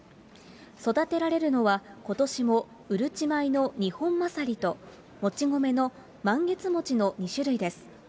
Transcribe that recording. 育てられるのは、ことしもウルチ米のニホンマサリと、モチ米のマンゲツモチの２種類です。